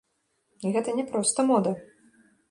І гэта не проста мода.